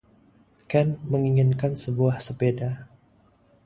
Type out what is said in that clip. Ken menginginkan sebuah sepeda.